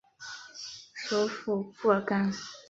首府布尔干。